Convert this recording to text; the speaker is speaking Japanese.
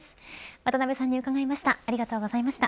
渡辺さんに伺いました。